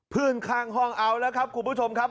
ข้างห้องเอาแล้วครับคุณผู้ชมครับ